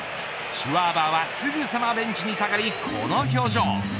シュワバーはすぐさまベンチに下がりこの表情。